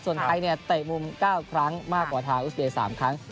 ส่วนไทยเนี่ยเตะมุม๙ครั้งมากกว่าทางอุสเบย์๓ครั้ง